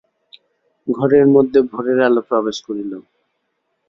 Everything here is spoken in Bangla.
ঘরের মধ্যে ভোরের আলো প্রবেশ করিল।